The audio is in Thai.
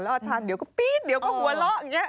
อาจารย์เดี๋ยวก็ปี๊ดเดี๋ยวก็หัวเราะอย่างนี้